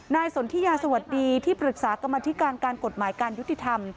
สนทิยาสวัสดีที่ปรึกษากรรมธิการการกฎหมายการยุติธรรม